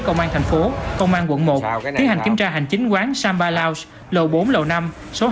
công an thành phố công an quận một tiến hành kiểm tra hành chính quán samba lounge